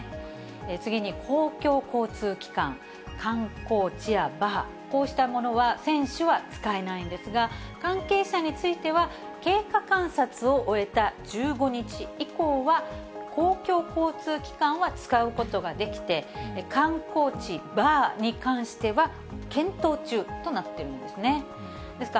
次に公共交通機関、観光地やバー、こうしたものは、選手は使えないんですが、関係者については、経過観察を終えた１５日以降は、公共交通機関は使うことができて、観光地、バーに関しては検討中となってるんですね。